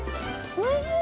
おいしい？